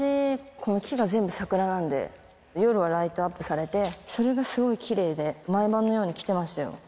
この木が全部桜なんで、夜はライトアップされて、それがすごいきれいで、毎晩のように来てましたよ。